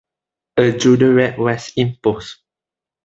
A Judenrat was imposed.